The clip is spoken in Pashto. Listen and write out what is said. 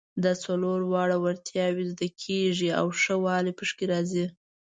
دا څلور واړه وړتیاوې زده کیږي او ښه والی پکې راځي.